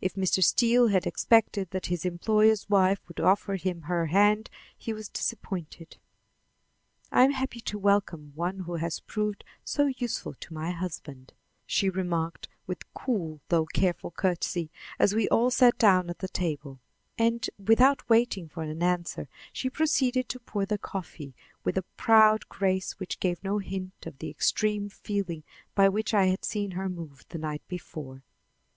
If Mr. Steele had expected that his employer's wife would offer him her hand, he was disappointed. "I am happy to welcome one who has proved so useful to my husband," she remarked with cool though careful courtesy as we all sat down at the table; and, without waiting for an answer, she proceeded to pour the coffee with a proud grace which gave no hint of the extreme feeling by which I had seen her moved the night before.